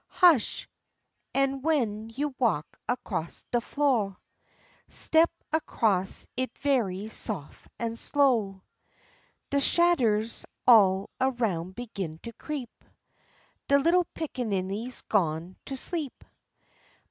Hush! an' w'en you walk across de flo' Step across it very sof' an' slow. De shadders all aroun' begin to creep, De little pickaninny's gone to sleep.